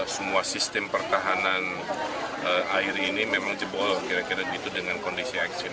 semua sistem pertahanan air ini memang jebol kira kira gitu dengan kondisi ekstrim